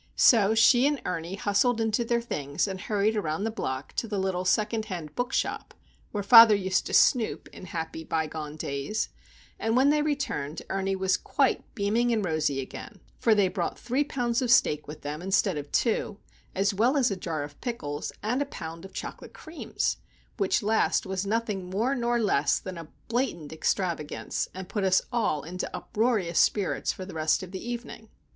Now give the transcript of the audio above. So she and Ernie hustled into their things, and hurried around the block to the little second hand bookshop where father used to snoop in happy by gone days;—and when they returned Ernie was quite beaming and rosy again; for they brought three pounds of steak with them, instead of two, as well as a jar of pickles, and a pound of chocolate creams,—which last was nothing more nor less than a blatant extravagance, and put us all into uproarious spirits for the rest of the evening.